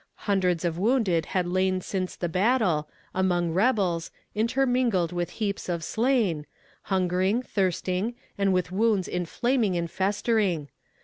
Hundreds of wounded had lain since the battle, among rebels, intermingled with heaps of slain hungering, thirsting, and with wounds inflaming and festering.